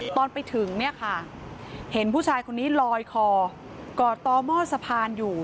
ตอนไปถึงเห็นผู้ชายคนนี้ลอยคอกอตตอบหมอดสะพานอยู่